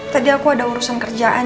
tadi aku ada urusan kerjaan